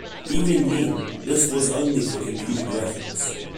Even then, this was only for computer graphics.